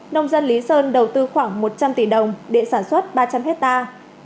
nông dân lý sơn đầu tư khoảng một trăm linh tỷ đồng để sản xuất ba trăm linh hectare